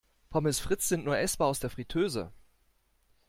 Pommes frites sind nur essbar aus der Friteuse.